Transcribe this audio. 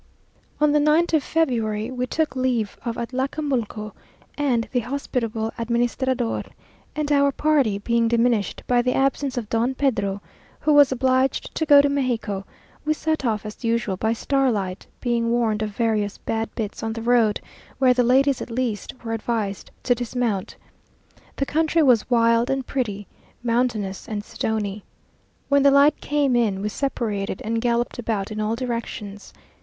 On the 9th of February we took leave of Atlacamulco and the hospitable administrador, and our party being diminished by the absence of Don Pedro, who was obliged to go to Mexico, we set off as usual by starlight, being warned of various bad bits on the road, where the ladies at least were advised to dismount. The country was wild and pretty, mountainous and stony. When the light came in we separated and galloped about in all directions.